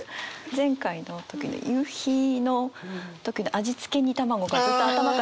前回の時に夕日の時の「味付け煮卵」がずっと頭から離れなくて。